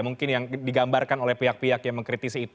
mungkin yang digambarkan oleh pihak pihak yang mengkritisi itu